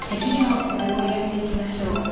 これを焼いて行きましょう。